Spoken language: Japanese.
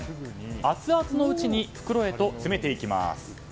アツアツのうちに袋へと詰めていきます。